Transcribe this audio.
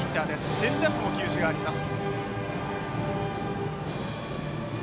チェンジアップも球種があります。